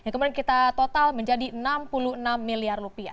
kemudian kita total menjadi rp enam puluh enam miliar